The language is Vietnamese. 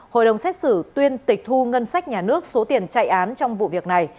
hội đồng xét xử tuyên tịch thu ngân sách nhà nước số tiền chạy án trong vụ việc này